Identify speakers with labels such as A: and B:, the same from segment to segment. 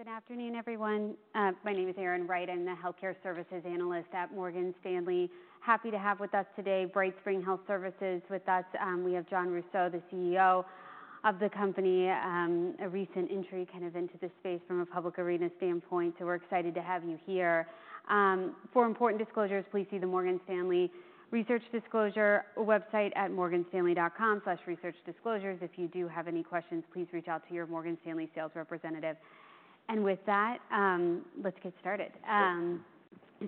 A: Hi, good afternoon, everyone. My name is Erin Wright. I'm the Healthcare Services Analyst at Morgan Stanley. Happy to have with us today, BrightSpring Health Services. With us, we have Jon Rousseau, the CEO of the company, a recent entry kind of into this space from a public arena standpoint, so we're excited to have you here. For important disclosures, please see the Morgan Stanley Research Disclosure website at morganstanley.com/researchdisclosures. If you do have any questions, please reach out to your Morgan Stanley sales representative, and with that, let's get started.
B: Sure.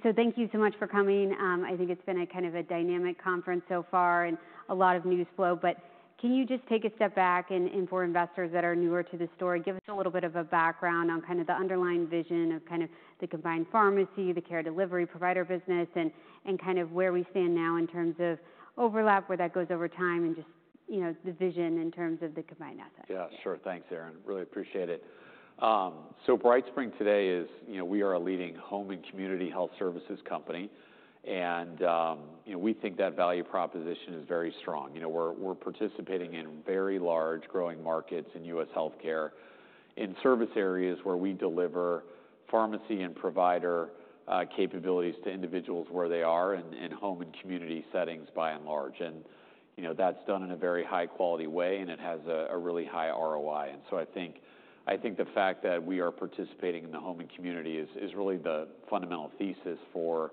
A: So thank you so much for coming. I think it's been a kind of dynamic conference so far and a lot of news flow. But can you just take a step back and for investors that are newer to the story, give us a little bit of a background on kind of the underlying vision of kind of the combined pharmacy, the care delivery provider business, and kind of where we stand now in terms of overlap, where that goes over time, and just, you know, the vision in terms of the combined assets?
B: Yeah, sure. Thanks, Erin. Really appreciate it. So BrightSpring today is, you know, we are a leading home and community health services company, and, you know, we think that value proposition is very strong. You know, we're participating in very large growing markets in U.S. healthcare, in service areas where we deliver pharmacy and provider capabilities to individuals where they are in home and community settings by and large. And, you know, that's done in a very high-quality way, and it has a really high ROI. And so I think the fact that we are participating in the home and community is really the fundamental thesis for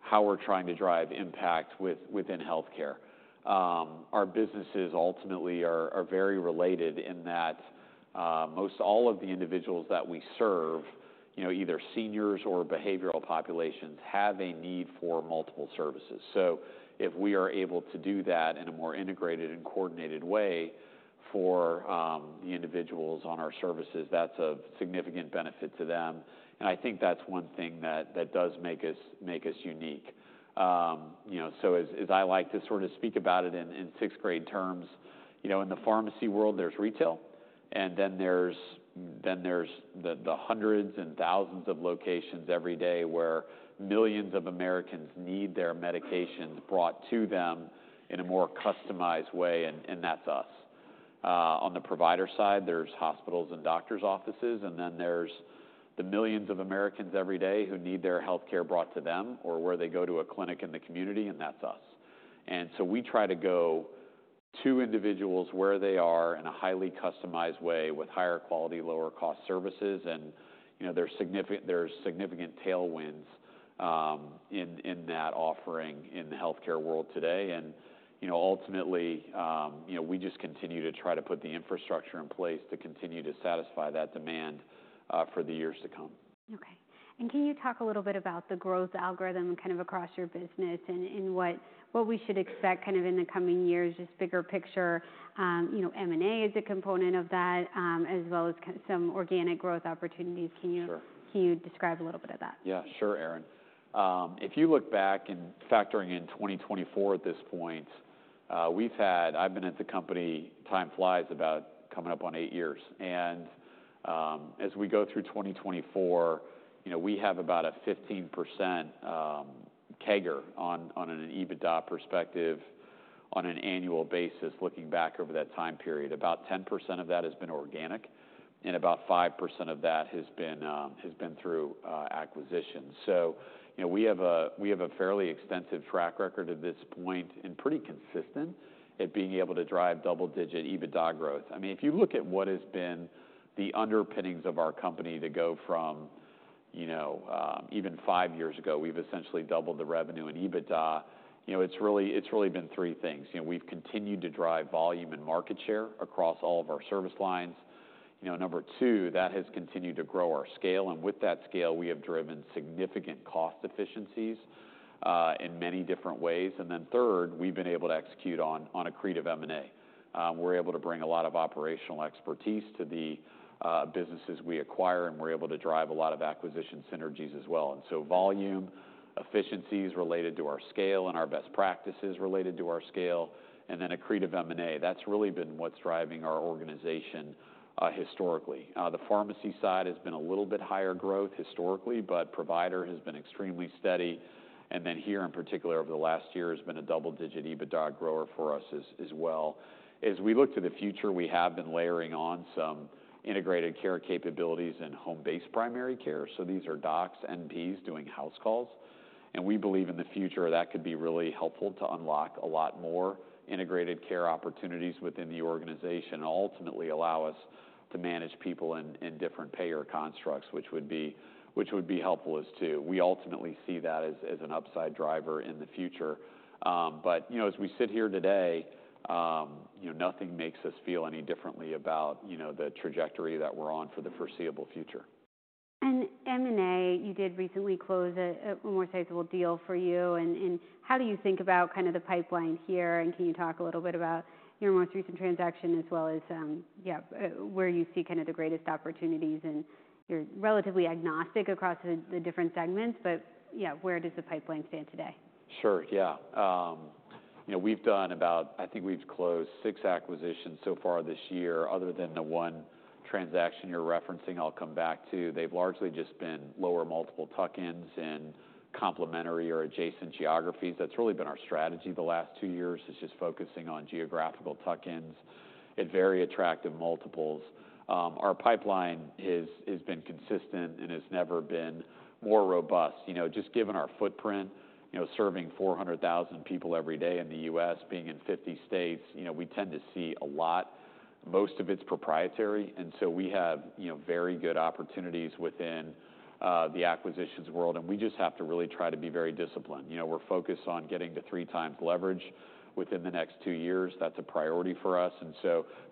B: how we're trying to drive impact within healthcare. Our businesses ultimately are very related in that most all of the individuals that we serve, you know, either seniors or behavioral populations, have a need for multiple services. So if we are able to do that in a more integrated and coordinated way for the individuals on our services, that's of significant benefit to them, and I think that's one thing that does make us unique. You know, so as I like to sort of speak about it in sixth-grade terms, you know, in the pharmacy world, there's retail, and then there's the hundreds and thousands of locations every day, where millions of Americans need their medications brought to them in a more customized way, and that's us. On the provider side, there's hospitals and doctor's offices, and then there's the millions of Americans every day who need their healthcare brought to them or where they go to a clinic in the community, and that's us. And so we try to go to individuals where they are in a highly customized way with higher quality, lower cost services. And you know, there's significant tailwinds in that offering in the healthcare world today. And you know, ultimately, you know, we just continue to try to put the infrastructure in place to continue to satisfy that demand for the years to come.
A: Okay. And can you talk a little bit about the growth algorithm kind of across your business and what we should expect kind of in the coming years, just bigger picture? You know, M&A is a component of that, as well as some organic growth opportunities.
B: Sure.
A: Can you describe a little bit of that?
B: Yeah, sure, Erin. If you look back and factoring in 2024 at this point, we've had. I've been at the company, time flies, about coming up on eight years, and, as we go through 2024, you know, we have about a 15% CAGR on an EBITDA perspective on an annual basis, looking back over that time period. About 10% of that has been organic, and about 5% of that has been through acquisition. So you know, we have a fairly extensive track record at this point and pretty consistent at being able to drive double-digit EBITDA growth. I mean, if you look at what has been the underpinnings of our company to go from, you know, even five years ago, we've essentially doubled the revenue in EBITDA. You know, it's really, it's really been three things. You know, we've continued to drive volume and market share across all of our service lines. You know, number two, that has continued to grow our scale, and with that scale, we have driven significant cost efficiencies in many different ways. And then third, we've been able to execute on accretive M&A. We're able to bring a lot of operational expertise to the businesses we acquire, and we're able to drive a lot of acquisition synergies as well. And so volume, efficiencies related to our scale, and our best practices related to our scale, and then accretive M&A, that's really been what's driving our organization historically. The pharmacy side has been a little bit higher growth historically, but provider has been extremely steady, and then here in particular, over the last year, has been a double-digit EBITDA grower for us as well. As we look to the future, we have been layering on some integrated care capabilities and home-based primary care, so these are docs, NPs, doing house calls. And we believe in the future, that could be really helpful to unlock a lot more integrated care opportunities within the organization and ultimately allow us to manage people in different payer constructs, which would be helpful as to... We ultimately see that as an upside driver in the future. But you know, as we sit here today, you know, nothing makes us feel any differently about, you know, the trajectory that we're on for the foreseeable future.
A: And M&A, you did recently close a more sizable deal for you. And how do you think about kind of the pipeline here, and can you talk a little bit about your most recent transaction as well as where you see kind of the greatest opportunities? And you're relatively agnostic across the different segments, but where does the pipeline stand today?
B: Sure. Yeah. You know, we've done about. I think we've closed six acquisitions so far this year, other than the one transaction you're referencing, I'll come back to. They've largely just been lower multiple tuck-ins and complementary or adjacent geographies. That's really been our strategy the last two years, is just focusing on geographical tuck-ins at very attractive multiples. Our pipeline has, has been consistent and has never been more robust. You know, just given our footprint, you know, serving four hundred thousand people every day in the U.S., being in fifty states, you know, we tend to see a lot. Most of it's proprietary, and so we have, you know, very good opportunities within the acquisitions world, and we just have to really try to be very disciplined. You know, we're focused on getting to three times leverage within the next two years. That's a priority for us,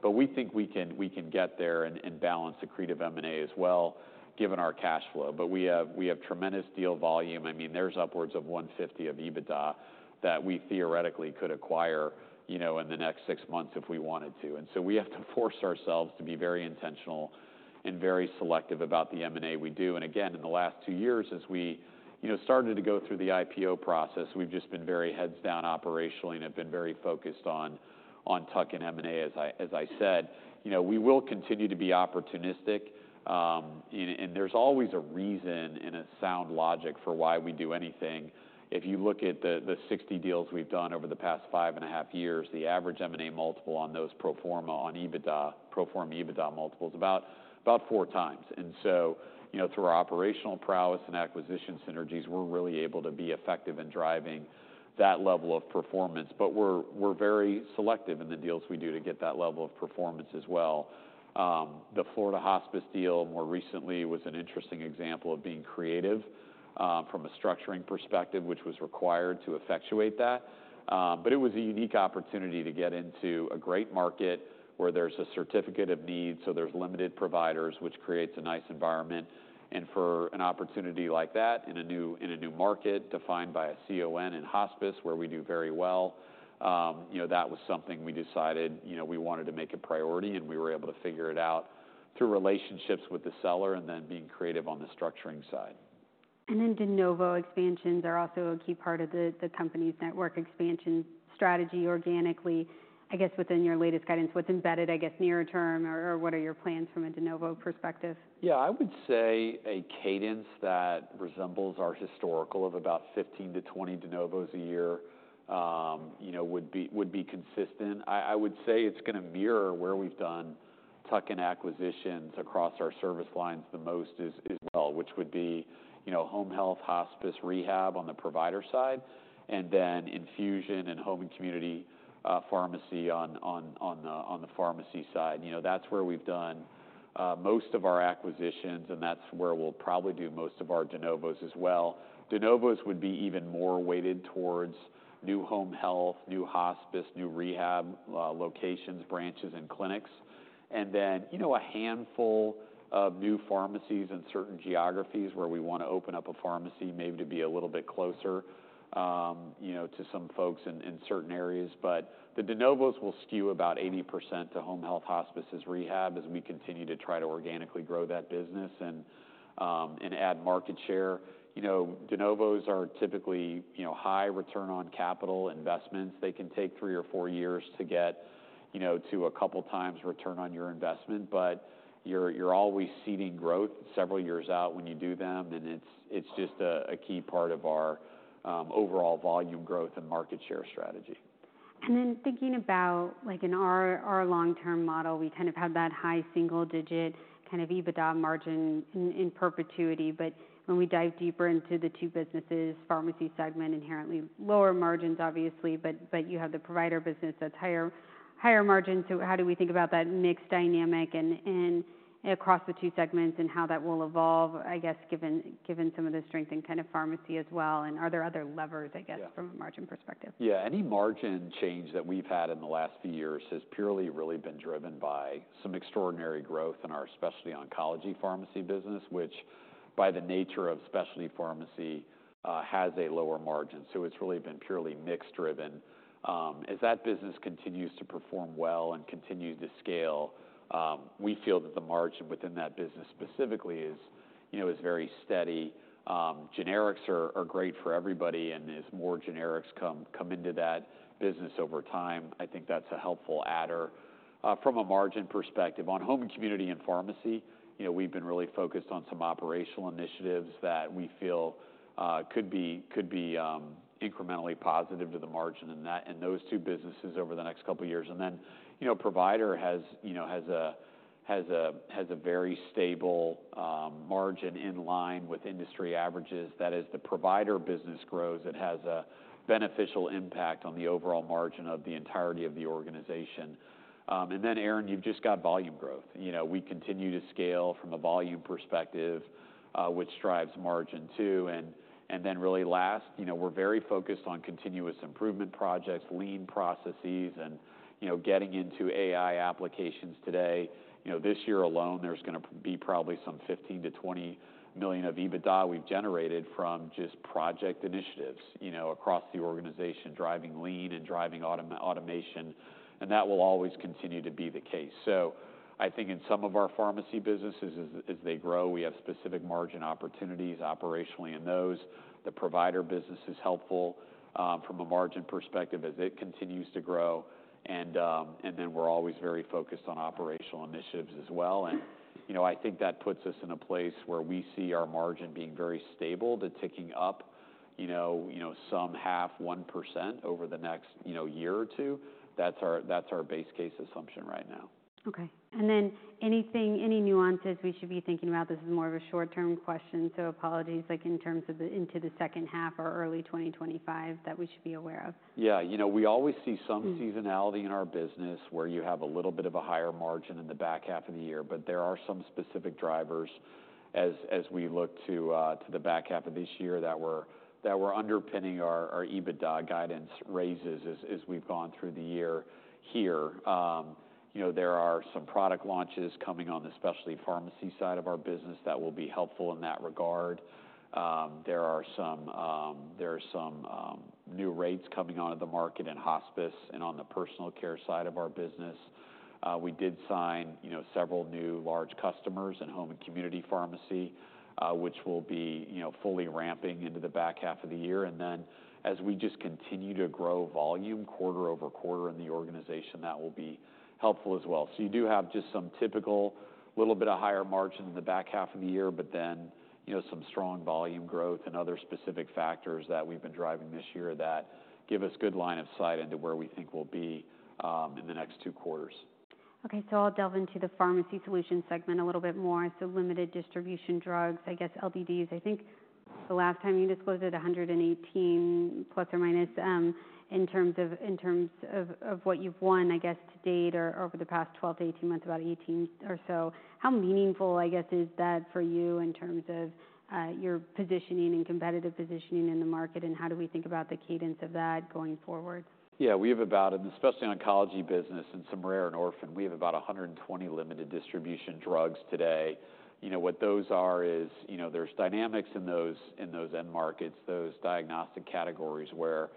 B: but we think we can get there and balance accretive M&A as well, given our cash flow, but we have tremendous deal volume. I mean, there's upwards of 150 of EBITDA that we theoretically could acquire, you know, in the next six months if we wanted to, and so we have to force ourselves to be very intentional and very selective about the M&A we do, and again, in the last two years, as we, you know, started to go through the IPO process, we've just been very heads down operationally and have been very focused on tuck-in M&A, as I said. You know, we will continue to be opportunistic, and there's always a reason and a sound logic for why we do anything. If you look at the 60 deals we've done over the past five and a half years, the average M&A multiple on those pro forma on EBITDA, pro forma EBITDA multiple is about four times. And so, you know, through our operational prowess and acquisition synergies, we're really able to be effective in driving that level of performance. But we're very selective in the deals we do to get that level of performance as well. The Florida Hospice deal, more recently, was an interesting example of being creative from a structuring perspective, which was required to effectuate that. But it was a unique opportunity to get into a great market, where there's a Certificate of Need, so there's limited providers, which creates a nice environment. For an opportunity like that in a new market, defined by a CON in hospice, where we do very well, you know, that was something we decided, you know, we wanted to make a priority, and we were able to figure it out through relationships with the seller and then being creative on the structuring side.
A: De novo expansions are also a key part of the company's network expansion strategy organically. I guess, within your latest guidance, what's embedded, I guess, near term, or what are your plans from a de novo perspective?
B: Yeah, I would say a cadence that resembles our historical of about 15-20 de novos a year, you know, would be consistent. I would say it's going to mirror where we've done tuck-in acquisitions across our service lines the most as well, which would be, you know, home health, hospice, rehab on the provider side, and then infusion and home and community pharmacy on the pharmacy side. You know, that's where we've done most of our acquisitions, and that's where we'll probably do most of our de novos as well. De novos would be even more weighted towards new home health, new hospice, new rehab locations, branches, and clinics. And then, you know, a handful of new pharmacies in certain geographies where we want to open up a pharmacy, maybe to be a little bit closer, you know, to some folks in certain areas. But the de novos will skew about 80% to home health, hospices, rehab, as we continue to try to organically grow that business and add market share. You know, de novos are typically, you know, high return on capital investments. They can take three or four years to get, you know, to a couple times return on your investment, but you're always seeding growth several years out when you do them, and it's just a key part of our overall volume growth and market share strategy.
A: And then, thinking about, like, in our long-term model, we kind of have that high single-digit kind of EBITDA margin in perpetuity. But when we dive deeper into the two businesses, pharmacy segment, inherently lower margins, obviously, but you have the provider business that's higher margin. So, how do we think about that mixed dynamic and across the two segments, and how that will evolve, I guess, given some of the strength in kind of pharmacy as well, and are there other levers, I guess, from a margin perspective?
B: Yeah. Any margin change that we've had in the last few years has purely really been driven by some extraordinary growth in our specialty oncology pharmacy business, which, by the nature of specialty pharmacy, has a lower margin, so it's really been purely mixed driven. As that business continues to perform well and continues to scale, we feel that the margin within that business specifically is, you know, is very steady. Generics are great for everybody, and as more generics come into that business over time, I think that's a helpful adder. From a margin perspective, on home and community and pharmacy, you know, we've been really focused on some operational initiatives that we feel could be incrementally positive to the margin in that- in those two businesses over the next couple of years. And then, you know, provider has, you know, has a very stable margin in line with industry averages. That is, the provider business grows, it has a beneficial impact on the overall margin of the entirety of the organization. And then, Erin, you've just got volume growth. You know, we continue to scale from a volume perspective, which drives margin too, and then really last, you know, we're very focused on continuous improvement projects, lean processes, and, you know, getting into AI applications today. You know, this year alone, there's gonna be probably some 15-20 million of EBITDA we've generated from just project initiatives, you know, across the organization, driving lean and driving automation, and that will always continue to be the case. I think in some of our pharmacy businesses, as they grow, we have specific margin opportunities operationally in those. The provider business is helpful from a margin perspective as it continues to grow, and then we're always very focused on operational initiatives as well. You know, I think that puts us in a place where we see our margin being very stable, to ticking up, you know, you know, some 0.5-1% over the next year or two. That's our base case assumption right now.
A: Okay, and then anything, any nuances we should be thinking about? This is more of a short-term question, so apologies, like in terms of heading into the second half or early twenty twenty-five, that we should be aware of.
B: Yeah. You know, we always see some-
A: Mm...
B: seasonality in our business, where you have a little bit of a higher margin in the back half of the year. But there are some specific drivers as we look to the back half of this year, that were underpinning our EBITDA guidance raises as we've gone through the year here. You know, there are some product launches coming on the specialty pharmacy side of our business that will be helpful in that regard. There are some new rates coming onto the market in hospice and on the personal care side of our business. We did sign, you know, several new large customers in home and community pharmacy, which will be, you know, fully ramping into the back half of the year. And then as we just continue to grow volume quarter-over-quarter in the organization, that will be helpful as well. So you do have just some typical, little bit of higher margin in the back half of the year, but then, you know, some strong volume growth and other specific factors that we've been driving this year that give us good line of sight into where we think we'll be in the next two quarters.
A: Okay, so I'll delve into the pharmacy solution segment a little bit more. So limited distribution drugs, I guess LDDs, I think the last time you disclosed it, 118, plus or minus, in terms of what you've won, I guess, to date or over the past 12-18 months, about 18 or so. How meaningful, I guess, is that for you in terms of your positioning and competitive positioning in the market, and how do we think about the cadence of that going forward?
B: Yeah, we have about, and specialty oncology business and some rare and orphan, we have about 120 limited distribution drugs today. You know, what those are is, you know, there's dynamics in those end markets, those diagnostic categories, where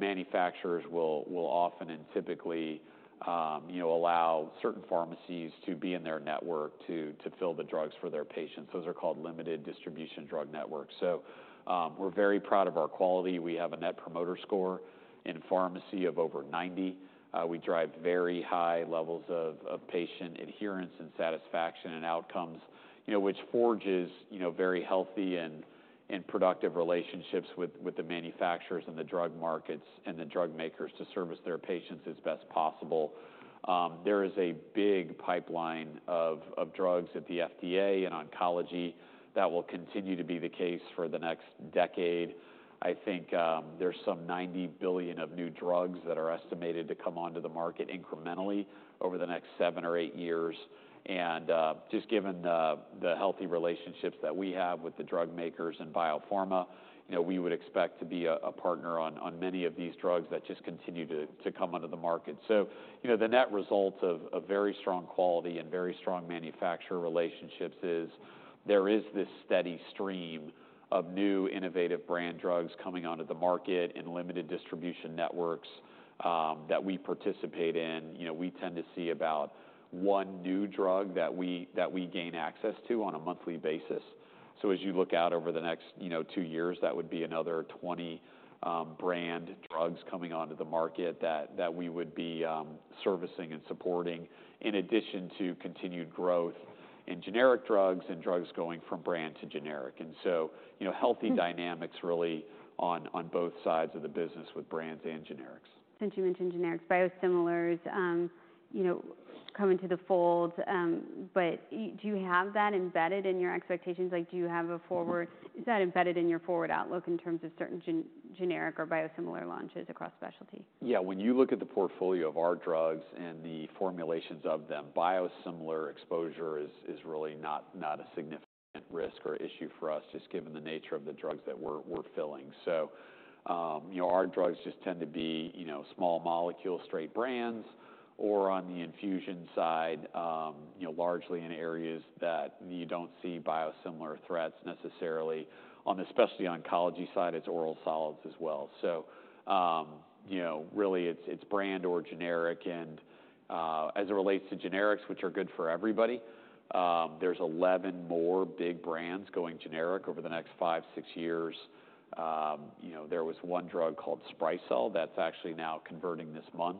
B: manufacturers will often and typically, you know, allow certain pharmacies to be in their network to fill the drugs for their patients. Those are called limited distribution drug networks. So, we're very proud of our quality. We have a Net Promoter Score in pharmacy of over 90. We drive very high levels of patient adherence and satisfaction and outcomes, you know, which forges, you know, very healthy and productive relationships with the manufacturers and the drug markets, and the drug makers to service their patients as best possible. There is a big pipeline of drugs at the FDA and oncology that will continue to be the case for the next decade. I think, there's some $90 billion of new drugs that are estimated to come onto the market incrementally over the next seven or eight years, and just given the healthy relationships that we have with the drug makers and biopharma, you know, we would expect to be a partner on many of these drugs that just continue to come onto the market, so you know, the net result of very strong quality and very strong manufacturer relationships is there is this steady stream of new innovative brand drugs coming onto the market and limited distribution networks that we participate in. You know, we tend to see about one new drug that we gain access to on a monthly basis. So as you look out over the next, you know, two years, that would be another twenty brand drugs coming onto the market that we would be servicing and supporting, in addition to continued growth in generic drugs and drugs going from brand to generic. And so, you know-
A: Mm...
B: healthy dynamics really on both sides of the business, with brands and generics.
A: Since you mentioned generics, biosimilars, you know, come into the fold, but do you have that embedded in your expectations? Like, is that embedded in your forward outlook in terms of certain generic or biosimilar launches across specialty?
B: Yeah, when you look at the portfolio of our drugs and the formulations of them, biosimilar exposure is really not a significant risk or issue for us, just given the nature of the drugs that we're filling. So, you know, our drugs just tend to be, you know, small molecule, straight brands, or on the infusion side, you know, largely in areas that you don't see biosimilar threats necessarily. On specialty oncology side, it's oral solids as well. So, you know, really, it's brand or generic, and as it relates to generics, which are good for everybody, there's eleven more big brands going generic over the next five, six years. You know, there was one drug called Sprycel, that's actually now converting this month.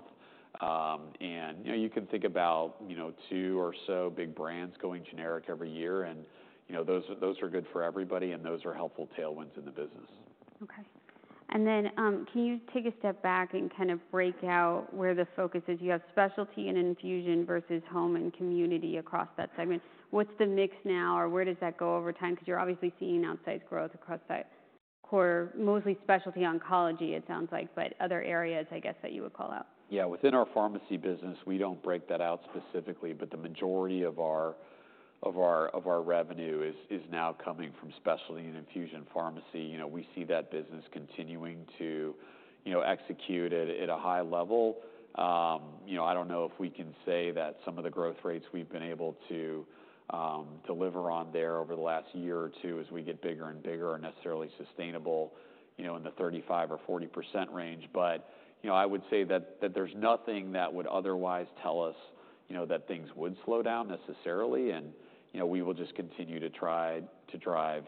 B: and, you know, you can think about, you know, two or so big brands going generic every year, and, you know, those are good for everybody, and those are helpful tailwinds in the business.
A: Okay. And then, can you take a step back and kind of break out where the focus is? You have specialty and infusion versus home and community across that segment. What's the mix now, or where does that go over time? Because you're obviously seeing outsized growth across that core, mostly specialty oncology, it sounds like, but other areas, I guess, that you would call out.
B: Yeah. Within our pharmacy business, we don't break that out specifically, but the majority of our revenue is now coming from specialty and infusion pharmacy. You know, we see that business continuing to execute at a high level. You know, I don't know if we can say that some of the growth rates we've been able to deliver on there over the last year or two as we get bigger and bigger are necessarily sustainable, you know, in the 35%-40% range. But, you know, I would say that there's nothing that would otherwise tell us, you know, that things would slow down necessarily. And, you know, we will just continue to try to drive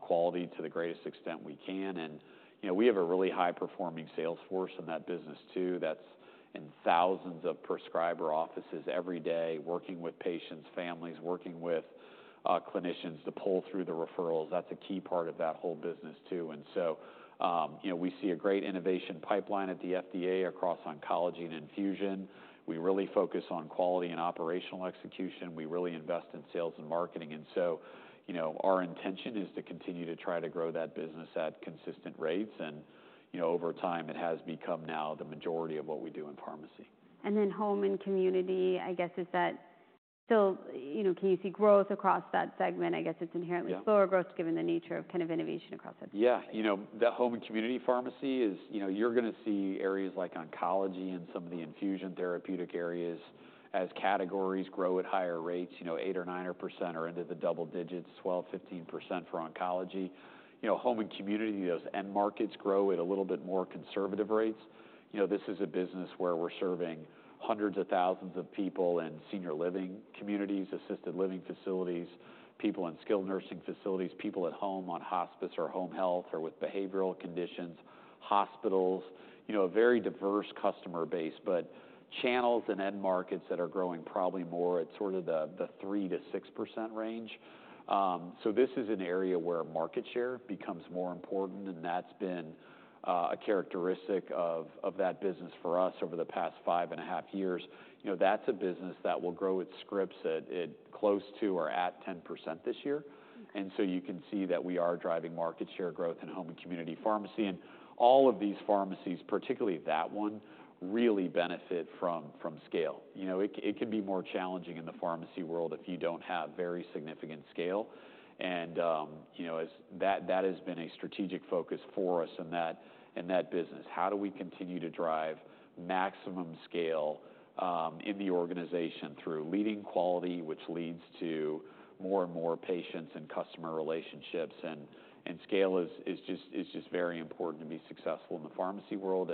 B: quality to the greatest extent we can. And, you know, we have a really high-performing sales force in that business too, that's in thousands of prescriber offices every day, working with patients, families, working with clinicians to pull through the referrals. That's a key part of that whole business, too. And so, you know, we see a great innovation pipeline at the FDA across oncology and infusion. We really focus on quality and operational execution. We really invest in sales and marketing, and so, you know, our intention is to continue to try to grow that business at consistent rates, and, you know, over time, it has become now the majority of what we do in pharmacy.
A: And then home and community, I guess, is that still... You know, can you see growth across that segment? I guess it's inherently-
B: Yeah
A: Slower growth, given the nature of kind of innovation across that.
B: Yeah. You know, the home and community pharmacy is, you know, you're gonna see areas like oncology and some of the infusion therapeutic areas as categories grow at higher rates, you know, eight or nine %, or into the double digits, 12, 15 % for oncology. You know, home and community, those end markets grow at a little bit more conservative rates. You know, this is a business where we're serving hundreds of thousands of people in senior living communities, assisted living facilities, people in skilled nursing facilities, people at home on hospice or home health, or with behavioral conditions, hospitals, you know, a very diverse customer base. But channels and end markets that are growing probably more at sort of the 3-6 % range. So this is an area where market share becomes more important, and that's been a characteristic of that business for us over the past five and a half years. You know, that's a business that will grow its scripts at close to or at 10% this year. And so you can see that we are driving market share growth in home and community pharmacy. And all of these pharmacies, particularly that one, really benefit from scale. You know, it can be more challenging in the pharmacy world if you don't have very significant scale. And you know, that has been a strategic focus for us in that business. How do we continue to drive maximum scale in the organization through leading quality, which leads to more and more patients and customer relationships? Scale is just very important to be successful in the pharmacy world.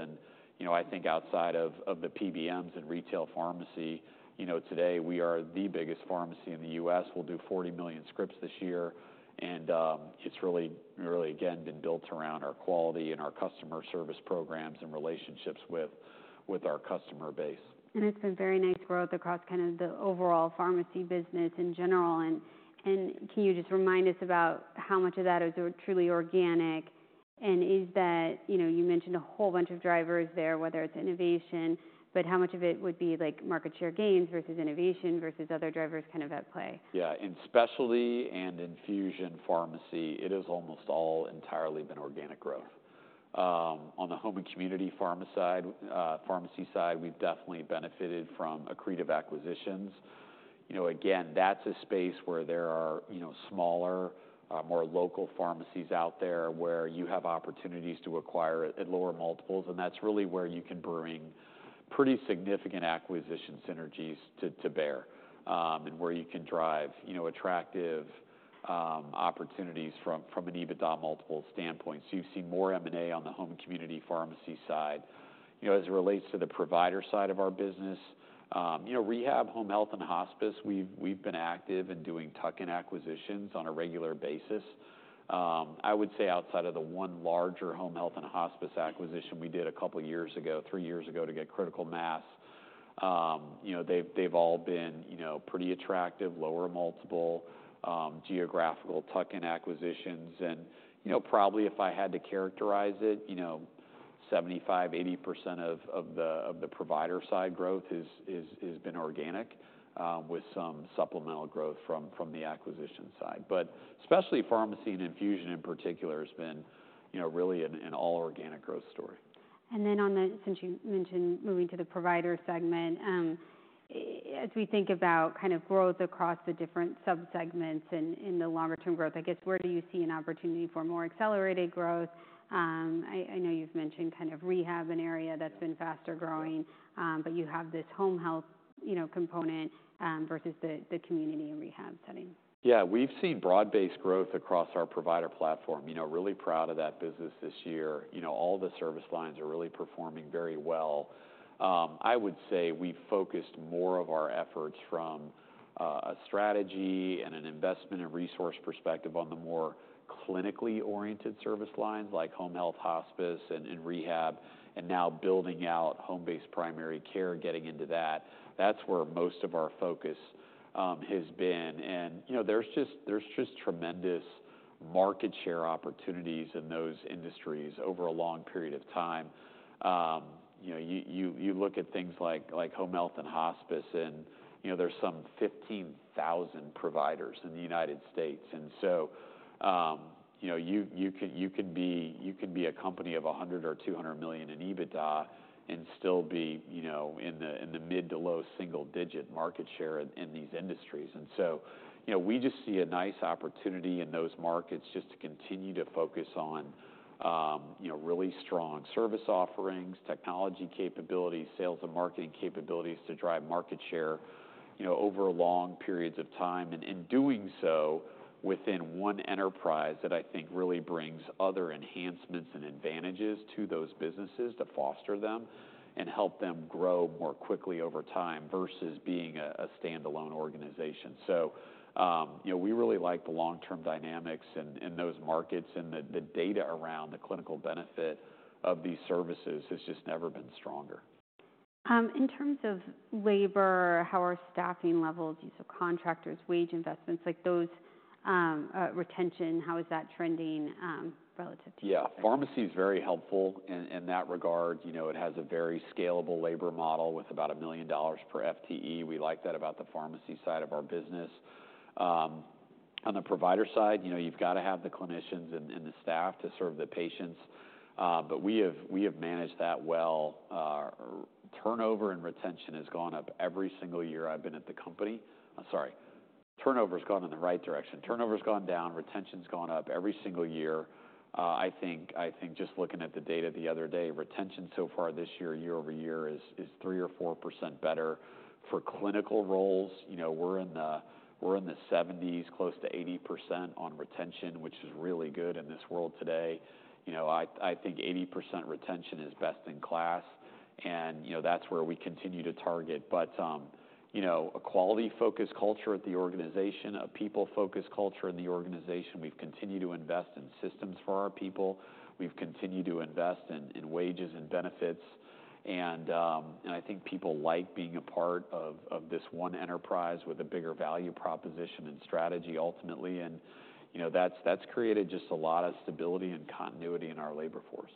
B: You know, I think outside of the PBMs and retail pharmacy, you know, today we are the biggest pharmacy in the US. We'll do 40 million scripts this year, and it's really been built around our quality and our customer service programs and relationships with our customer base.
A: It's been very nice growth across kind of the overall pharmacy business in general. Can you just remind us about how much of that is truly organic? Is that... You know, you mentioned a whole bunch of drivers there, whether it's innovation, but how much of it would be, like, market share gains, versus innovation, versus other drivers kind of at play?
B: Yeah. In specialty and infusion pharmacy, it is almost all entirely been organic growth. On the home and community pharma side, pharmacy side, we've definitely benefited from accretive acquisitions. You know, again, that's a space where there are, you know, smaller, more local pharmacies out there, where you have opportunities to acquire at lower multiples, and that's really where you can bring pretty significant acquisition synergies to bear. And where you can drive, you know, attractive opportunities from an EBITDA multiple standpoint. So you've seen more M&A on the home and community pharmacy side. You know, as it relates to the provider side of our business, you know, rehab, home health, and hospice, we've been active in doing tuck-in acquisitions on a regular basis. I would say outside of the one larger home health and hospice acquisition we did a couple of years ago, three years ago, to get critical mass, you know, they've all been, you know, pretty attractive, lower multiple, geographical tuck-in acquisitions. And, you know, probably if I had to characterize it, you know, 75%-80% of the provider side growth has been organic, with some supplemental growth from the acquisition side. But specialty pharmacy and infusion in particular has been, you know, really an all organic growth story.
A: Since you mentioned moving to the provider segment, as we think about kind of growth across the different sub-segments in the longer term growth, I guess, where do you see an opportunity for more accelerated growth? I know you've mentioned kind of rehab, an area that's been faster growing, but you have this home health, you know, component, versus the community and rehab setting.
B: Yeah, we've seen broad-based growth across our provider platform. You know, really proud of that business this year. You know, all the service lines are really performing very well. I would say we've focused more of our efforts from a strategy and an investment and resource perspective on the more clinically oriented service lines, like home health, hospice, and rehab, and now building out home-based primary care, getting into that. That's where most of our focus has been. You know, there's just tremendous market share opportunities in those industries over a long period of time. You know, you look at things like home health and hospice, and you know, there's some 15,000 providers in the United States. And so, you know, you could be a company of 100 or 200 million in EBITDA and still be, you know, in the mid- to low-single-digit market share in these industries. And so, you know, we just see a nice opportunity in those markets just to continue to focus on, you know, really strong service offerings, technology capabilities, sales and marketing capabilities to drive market share, you know, over long periods of time. And in doing so, within one enterprise, that I think really brings other enhancements and advantages to those businesses to foster them, and help them grow more quickly over time, versus being a standalone organization. You know, we really like the long-term dynamics in those markets, and the data around the clinical benefit of these services has just never been stronger.
A: In terms of labor, how are staffing levels, use of contractors, wage investments, like those, retention, how is that trending, relative to you?
B: Yeah. Pharmacy is very helpful in that regard. You know, it has a very scalable labor model with about $1 million per FTE. We like that about the pharmacy side of our business. On the provider side, you know, you've got to have the clinicians and the staff to serve the patients, but we have managed that well. Turnover and retention has gone up every single year I've been at the company. I'm sorry, turnover's gone in the right direction. Turnover's gone down, retention's gone up every single year. I think just looking at the data the other day, retention so far this year, year-over-year, is three or four percent better. For clinical roles, you know, we're in the 70s, close to 80% on retention, which is really good in this world today. You know, I think 80% retention is best in class, and, you know, that's where we continue to target, but you know, a quality-focused culture at the organization, a people-focused culture in the organization. We've continued to invest in systems for our people. We've continued to invest in wages and benefits, and I think people like being a part of this one enterprise with a bigger value proposition and strategy, ultimately, you know, that's created just a lot of stability and continuity in our labor force.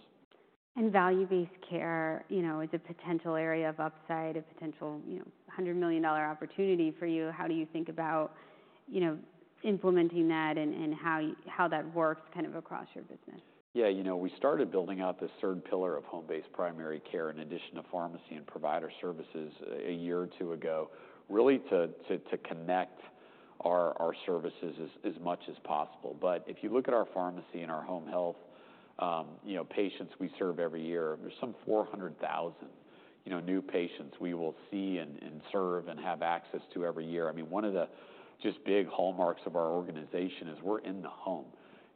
A: Value-based care, you know, is a potential area of upside, a potential, you know, $100 million opportunity for you. How do you think about, you know, implementing that and how that works kind of across your business?
B: Yeah, you know, we started building out this third pillar of home-based primary care in addition to pharmacy and provider services, a year or two ago, really to connect our services as much as possible. But if you look at our pharmacy and our home health, you know, patients we serve every year, there's some 400,000, you know, new patients we will see and serve and have access to every year. I mean, one of the just big hallmarks of our organization is we're in the home,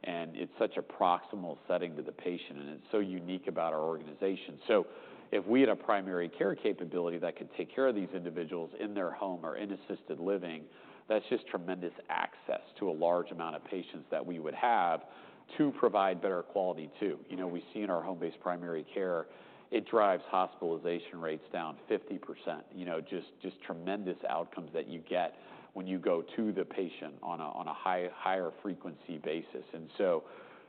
B: and it's such a proximal setting to the patient, and it's so unique about our organization. So if we had a primary care capability that could take care of these individuals in their home or in assisted living, that's just tremendous access to a large amount of patients that we would have to provide better quality to. You know, we see in our home-based primary care, it drives hospitalization rates down 50%. You know, just tremendous outcomes that you get when you go to the patient on a higher frequency basis. And so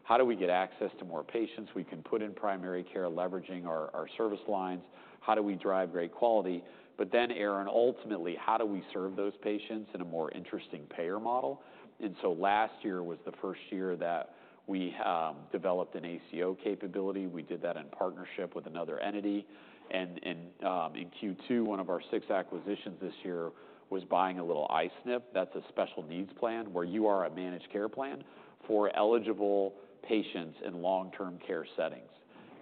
B: how do we get access to more patients? We can put in primary care, leveraging our service lines. How do we drive great quality? But then, Erin, ultimately, how do we serve those patients in a more interesting payer model? And so last year was the first year that we developed an ACO capability. We did that in partnership with another entity. In Q2, one of our six acquisitions this year was buying a little I-SNP. That's a special needs plan, where you are a managed care plan for eligible patients in long-term care settings,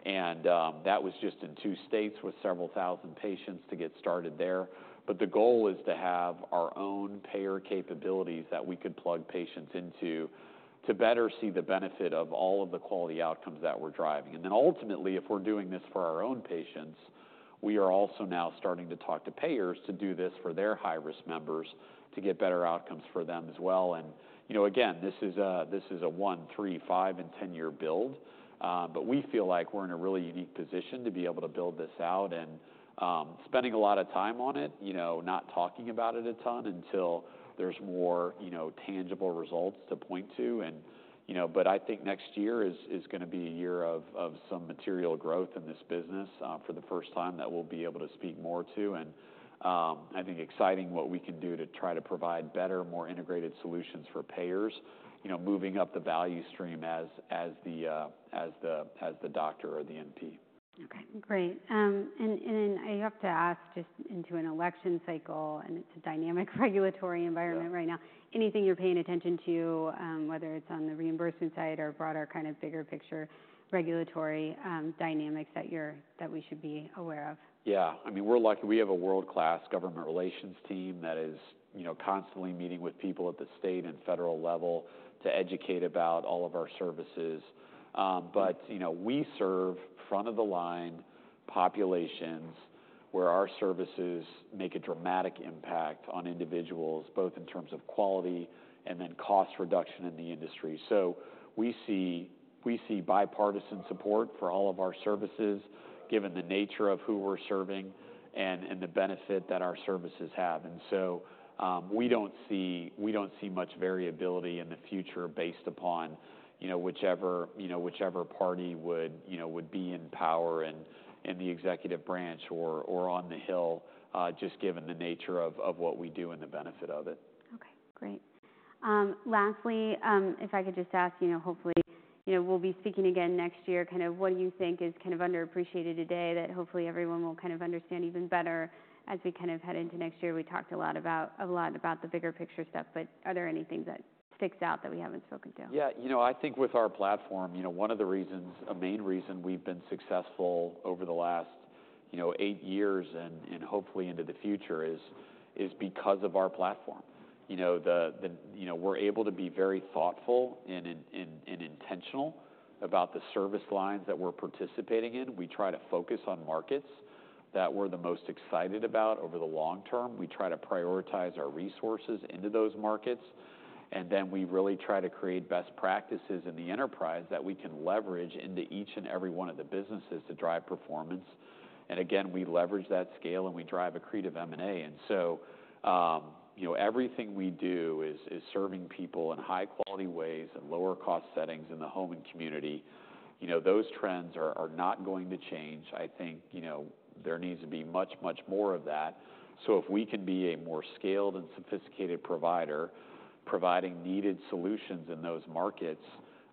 B: and that was just in two states with several thousand patients to get started there, but the goal is to have our own payer capabilities that we could plug patients into, to better see the benefit of all of the quality outcomes that we're driving, and then ultimately, if we're doing this for our own patients, we are also now starting to talk to payers to do this for their high-risk members, to get better outcomes for them as well. And, you know, again, this is a one, three, five, and 10-year build, but we feel like we're in a really unique position to be able to build this out. And, spending a lot of time on it, you know, not talking about it a ton until there's more, you know, tangible results to point to. And, you know, but I think next year is gonna be a year of some material growth in this business, for the first time, that we'll be able to speak more to. And, I think exciting what we can do to try to provide better, more integrated solutions for payers, you know, moving up the value stream as the doctor or the NP.
A: Okay, great. And I have to ask, just into an election cycle, and it's a dynamic regulatory environment right now.
B: Yeah.
A: Anything you're paying attention to, whether it's on the reimbursement side or broader, kind of bigger picture regulatory, dynamics that you're... That we should be aware of?
B: Yeah. I mean, we're lucky. We have a world-class government relations team that is, you know, constantly meeting with people at the state and federal level to educate about all of our services, but you know, we serve front of the line populations, where our services make a dramatic impact on individuals, both in terms of quality and then cost reduction in the industry, so we see bipartisan support for all of our services, given the nature of who we're serving and the benefit that our services have, and so we don't see much variability in the future based upon, you know, whichever party would, you know, be in power in the executive branch or on the Hill, just given the nature of what we do and the benefit of it.
A: Okay, great. Lastly, if I could just ask, you know, hopefully, you know, we'll be speaking again next year. Kind of what you think is kind of underappreciated today that hopefully everyone will kind of understand even better as we kind of head into next year? We talked a lot about the bigger picture stuff, but are there any things that sticks out that we haven't spoken to?
B: Yeah, you know, I think with our platform, you know, one of the reasons, a main reason we've been successful over the last, you know, eight years and hopefully into the future is because of our platform. You know, we're able to be very thoughtful and intentional about the service lines that we're participating in. We try to focus on markets that we're the most excited about over the long term. We try to prioritize our resources into those markets, and then we really try to create best practices in the enterprise that we can leverage into each and every one of the businesses to drive performance. And again, we leverage that scale, and we drive accretive M&A. And so, you know, everything we do is serving people in high-quality ways, at lower cost settings in the home and community. You know, those trends are not going to change. I think, you know, there needs to be much, much more of that. So if we can be a more scaled and sophisticated provider, providing needed solutions in those markets,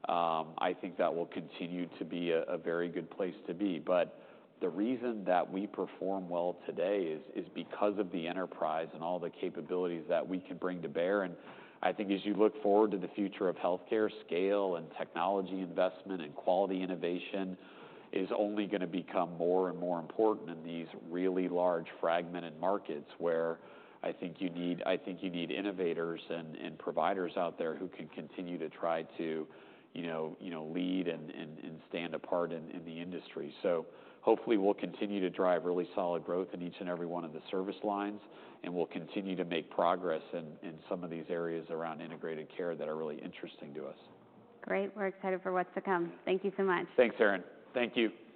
B: I think that will continue to be a very good place to be. But the reason that we perform well today is because of the enterprise and all the capabilities that we can bring to bear. And I think as you look forward to the future of healthcare, scale and technology investment, and quality innovation is only going to become more and more important in these really large, fragmented markets, where I think you need innovators and providers out there who can continue to try to, you know, lead and stand apart in the industry. Hopefully, we'll continue to drive really solid growth in each and every one of the service lines, and we'll continue to make progress in some of these areas around integrated care that are really interesting to us.
A: Great. We're excited for what's to come. Thank you so much.
B: Thanks, Erin. Thank you.